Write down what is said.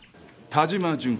田島純子。